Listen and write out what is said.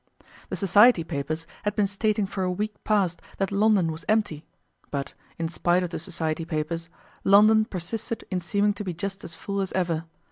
The Society papers had been stating for a week past that London was empty, but, in spite of the Society papers, London persisted in seeming to be just as full as ever.